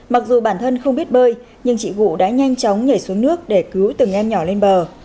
mặc dù bản thân không biết bơi nhưng chị vũ đã nhanh chóng nhảy xuống nước để cứu từng em nhỏ lên bờ